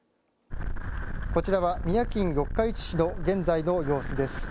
こちらは三重県四日市市の現在の様子です。